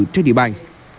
trên địa bàn